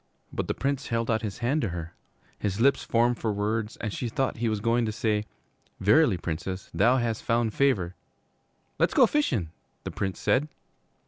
But the Prince held out his hand to her. His lips formed for words and she thought he was going to say, 'Verily, Princess, thou hast found favor ' 'Le' 's go fishin',' the Prince said.